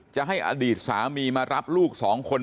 จะให้อดีตสามีมารับลูกสองคน